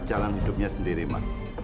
jalan hidupnya sendiri mak